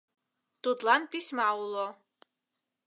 Тудлан письма уло.